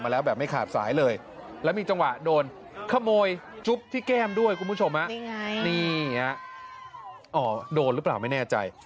แล้วแบบไม่ขาดสายเลยแล้วมีจังหวะโดนขโมยจุ๊บที่แก้มด้วยคุณผู้ชมนี่ฮะโดนหรือเปล่าไม่แน่ใจ